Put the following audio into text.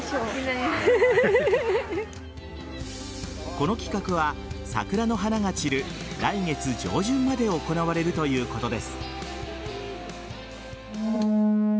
この企画は桜の花が散る来月上旬まで行われるということです。